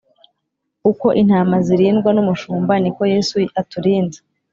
Uko intama zirindwa n’umushumba niko Yesu aturinze